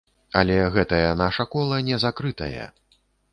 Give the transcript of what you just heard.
Але гэтае наша кола не закрытае!